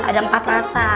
ada empat rasa